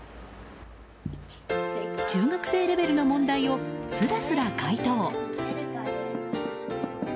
中学生レベルの問題をすらすら解答。